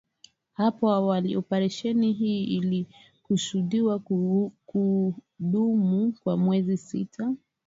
Hapo awali operesheni hii ilikusudiwa kudumu kwa miezi sita.